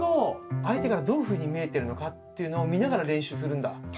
相手からどういうふうに見えてるのかっていうのを見ながら練習するんだ。